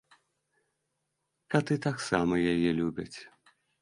Каты таксама яе любяць.